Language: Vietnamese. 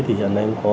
thì hiện nay cũng có